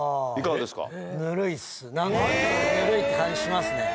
なんかぬるい感じしますね。